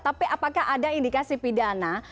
tapi apakah ada indikasi pidana